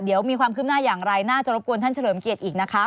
เดี๋ยวมีความคืบหน้าอย่างไรน่าจะรบกวนท่านเฉลิมเกียรติอีกนะคะ